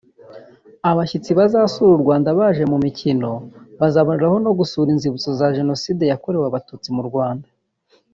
Abashyitsi bazasura u Rwanda baje mu mukino bazanaboneraho gusura inzibutso z’abazize jenoside yakorewe abatutsi mu Rwanda